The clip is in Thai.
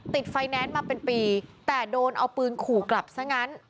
ติดไฟแนนซ์มาเป็นปีแต่โดนเอาปืนขู่กลับซะงั้น